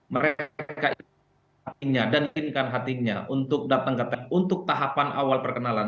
mereka inginkan hatinya untuk datang ke tahap awal perkenalan